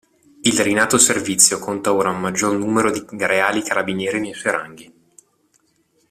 Il rinato servizio conta ora un maggior numero di Reali Carabinieri nei suoi ranghi.